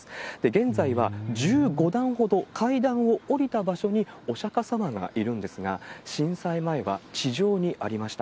現在は１５段ほど階段を下りた場所にお釈迦様がいるんですが、震災前は地上にありました。